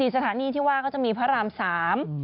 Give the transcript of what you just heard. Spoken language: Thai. สถานีที่ว่าก็จะมีพระรามสาม